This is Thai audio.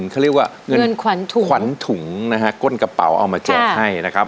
เขาเรียกว่าเงินขวัญถุงขวัญถุงนะฮะก้นกระเป๋าเอามาแจกให้นะครับ